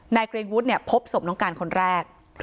นายเกรงวุฒิพบศพน้องการคนแรก